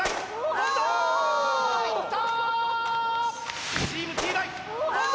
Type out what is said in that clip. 跳んだ！いった！